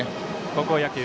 高校野球